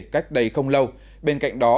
cách đây không lâu bên cạnh đó